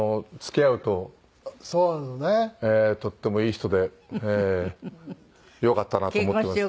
とってもいい人でよかったなと思ってます。